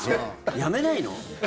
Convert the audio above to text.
やめないの？